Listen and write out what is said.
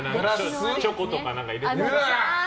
チョコとか入れてさ。